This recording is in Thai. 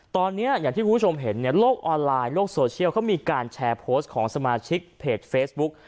ตอนนี้อย่างที่คุณผู้ชมเห็นเนี่ยโลกออนไลน์โลกโซเชียลเขามีการแชร์โพสต์ของสมาชิกเพจเฟซบุ๊ก